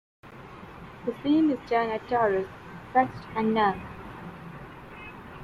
The same is done at Terce, Sext, and None.